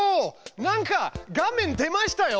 なんか画面出ましたよ。